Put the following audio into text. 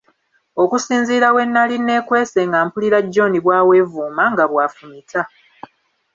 Okusinziira we nali neekwese nga mpulira John bw'aweevuuma nga bw'afumita.